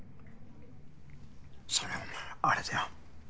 そりゃあお前あれだよ